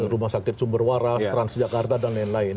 rumah sakit cumberwaras transjakarta dan lain lain